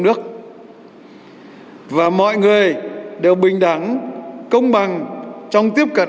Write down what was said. công bằng tự sản xuất và mọi người đều bình đẳng công bằng tự sản xuất và mọi người đều bình đẳng